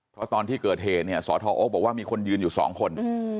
เพราะตอนที่เกิดเหตุเนี่ยสทโอ๊คบอกว่ามีคนยืนอยู่สองคน